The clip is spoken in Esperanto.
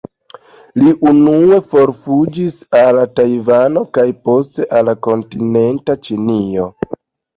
Li unue forfuĝis al Tajvano kaj poste al kontinenta Ĉinio.